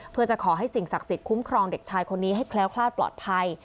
เพื่อจะขอให้สิ่งศักดิ์สิทธิคุ้มครองเด็กชายคนนี้ให้แคล้วคลาดปลอดภัย